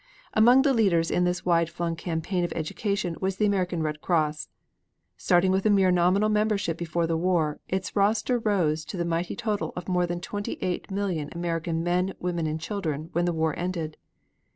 Among the leaders in this wide flung campaign of education was the American Red Cross. Starting with a mere nominal membership before the war, its roster rose to the mighty total of more than 28,000,000 American men, women and children when the war ended.